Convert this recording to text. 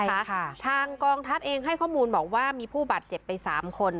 ทางกองทัพเองให้ข้อมูลบอกว่ามีผู้บาดเจ็บไปสามคน